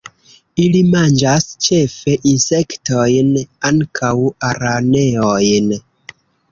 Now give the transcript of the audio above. Ili manĝas ĉefe insektojn, ankaŭ araneojn.